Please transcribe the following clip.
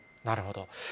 なるほど。